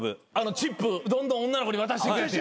チップどんどん女の子に渡してくやつや。